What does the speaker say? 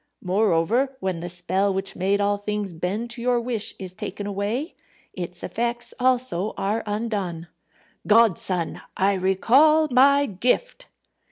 Moreover, when the spell which made all things bend to your wish is taken away, its effects also are undone. Godson! I recall my gift."